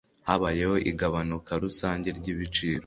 Habayeho igabanuka rusange ryibiciro.